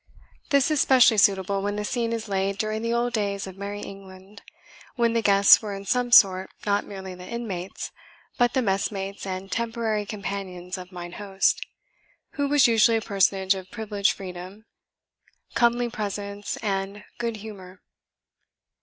This is specially suitable when the scene is laid during the old days of merry England, when the guests were in some sort not merely the inmates, but the messmates and temporary companions of mine Host, who was usually a personage of privileged freedom, comely presence, and good humour.